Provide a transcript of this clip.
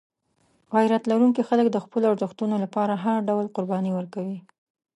غیرت لرونکي خلک د خپلو ارزښتونو لپاره هر ډول قرباني ورکوي.